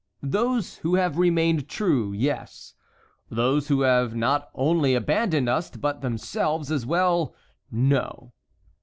"Those who have remained true, yes; those who not only have abandoned us, but themselves as well, no."